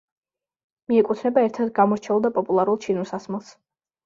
მიეკუთვნება ერთ-ერთ გამორჩეულ და პოპულარულ ჩინურ სასმელს.